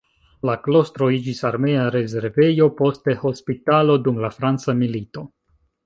La klostro iĝis armea rezervejo poste hospitalo dum la franca milito.